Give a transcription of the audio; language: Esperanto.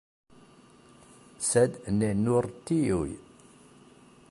Sed ne nur tiuj.